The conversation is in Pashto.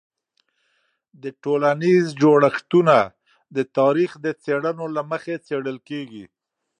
د ټولنیز جوړښتونه د تاریخ د څیړنو له مخې څیړل کېږي.